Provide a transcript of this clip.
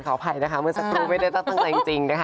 อภัยนะคะเมื่อสักครู่ไม่ได้ตั้งใจจริงนะคะ